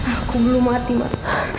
aku belum mati mbak